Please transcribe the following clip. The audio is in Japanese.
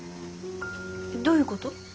どういうこと？